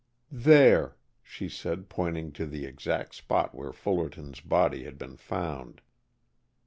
"There," she said, pointing to the exact spot where Fullerton's body had been found.